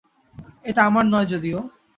এটা আমার নয় যদিও।